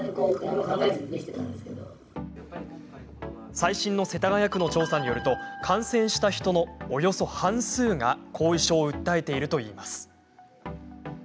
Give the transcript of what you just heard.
最新の世田谷区の調査によると感染した人のおよそ半数が後遺症を訴えているといいます。